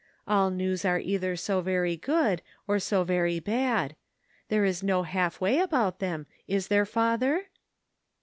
All news are either so very good or so very bad. There is no half way about them, is there, father?